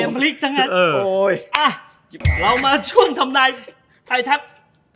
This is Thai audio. โอ้ยเกมฟลิกซะงั้นเออโอ้ยอ่ะเรามาช่วงทำได้ไทยทัพ